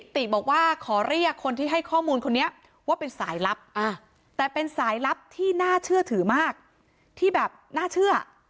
ติบอกว่าขอเรียกคนที่ให้ข้อมูลคนนี้ว่าเป็นสายลับแต่เป็นสายลับที่น่าเชื่อถือมากที่แบบน่าเชื่อ